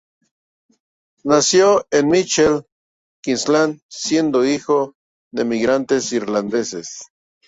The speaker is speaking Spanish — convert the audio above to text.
Nació en Mitchell, Queensland, siendo hijo de inmigrantes irlandeses.